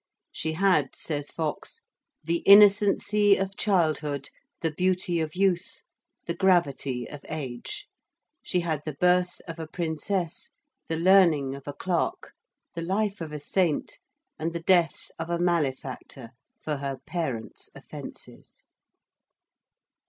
She had, says Foxe, 'the innocency of childhood, the beauty of youth, the gravity of age: she had the birth of a princess, the learning of a clerk, the life of a saint, and the death of a malefactor for her parents' offences.'